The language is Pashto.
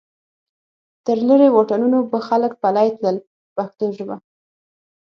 تر لرې واټنونو به خلک پلی تلل په پښتو ژبه.